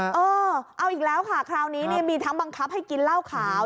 เออเอาอีกแล้วค่ะคราวนี้เนี่ยมีทั้งบังคับให้กินเหล้าขาว